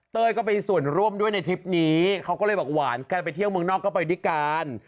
ก็มีส่วนร่วมด้วยในทริปนี้เขาก็เลยบอกหวานกันไปเที่ยวเมืองนอกก็ไปด้วยกัน